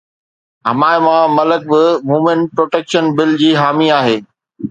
حمائمه ملڪ به women protection bill جي حامي آهي